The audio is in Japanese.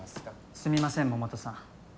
すみません桃田さん。